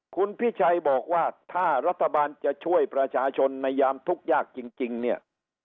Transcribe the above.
คุณพิชัยบอกว่าถ้ารัฐบาลจะช่วยประชาชนในยามทุกข์ยากจริงเนี่ย